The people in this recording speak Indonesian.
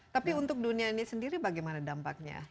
tapi untuk dunia ini sendiri bagaimana dampaknya